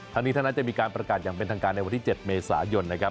ทั้งนี้ทั้งนั้นจะมีการประกาศอย่างเป็นทางการในวันที่๗เมษายนนะครับ